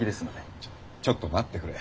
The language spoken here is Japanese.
ちょちょっと待ってくれ。